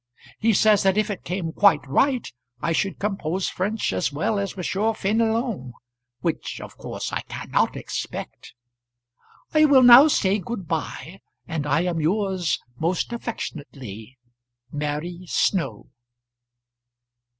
He says that if it came quite right I should compose French as well as M. Fénelon, which of course I cannot expect. I will now say good bye, and I am yours most affectionately, MARY SNOW.